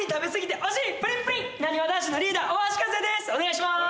お願いします。